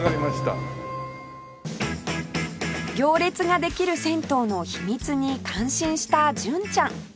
行列ができる銭湯の秘密に感心した純ちゃん